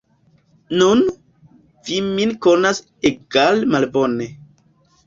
Nun, vi min konas egale malbone.